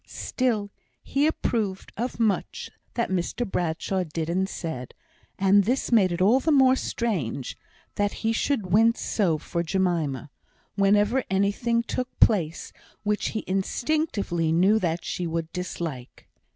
Still, he approved of much that Mr Bradshaw did and said; and this made it all the more strange that he should wince so for Jemima, whenever anything took place which he instinctively knew that she would dislike.